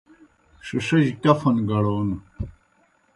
ݜِݜِجیْ کفن گڑون